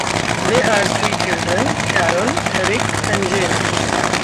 They had three children: Carol, Eric and Jane.